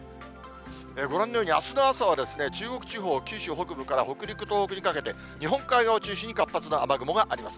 ご覧のように、あすの朝は中国地方、九州北部から北陸、東北にかけて、日本海側を中心に、活発な雨雲があります。